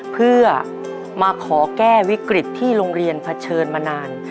เพื่อมาขอแก้วิกฤตที่โรงเรียนเผชิญมานาน